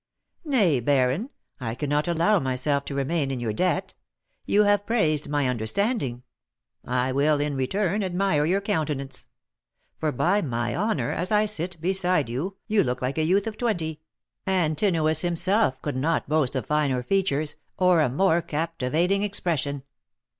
"Nay, baron, I cannot allow myself to remain in your debt. You have praised my understanding, I will, in return, admire your countenance; for by my honour, as I sit beside you, you look like a youth of twenty. Antinous himself could not boast of finer features, or a more captivating expression."